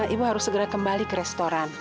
ibu harus segera kembali ke restoran